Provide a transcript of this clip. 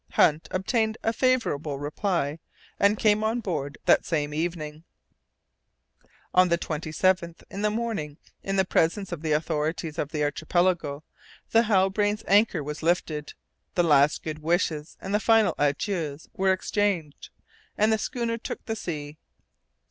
Hunt obtained a favourable reply, and came on board that same evening. On the 27th, in the morning, in the presence of the authorities of the Archipelago, the Halbrane's anchor was lifted, the last good wishes and the final adieus were exchanged, and the schooner took the sea.